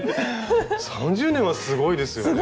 ３０年はすごいですよね。